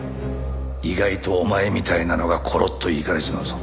意外とお前みたいなのがコロッといかれちまうぞ。